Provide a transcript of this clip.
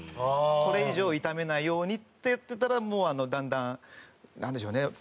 これ以上痛めないようにってやってたらもうだんだんなんでしょうね取り戻せたのか。